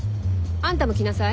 あんたも来なさい。